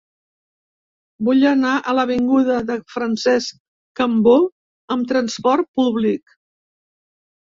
Vull anar a l'avinguda de Francesc Cambó amb trasport públic.